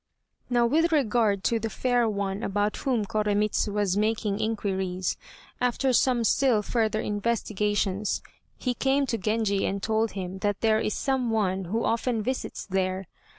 Now with regard to the fair one about whom Koremitz was making inquiries. After some still further investigations, he came to Genji and told him that "there is some one who often visits there.